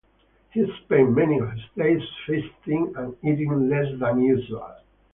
He spent many of his days fasting and eating less than usual.